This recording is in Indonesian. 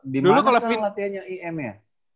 di mana kan latihannya im ya